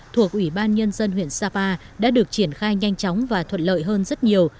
thuộc ủy ban nhân dân huyện sapa đã được triển khai nhanh chóng và thuận lợi hơn rất nhiều